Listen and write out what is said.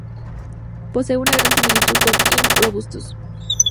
Posee una gran similaridad con "M. robustus".